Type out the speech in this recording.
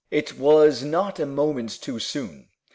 It was not a moment too soon.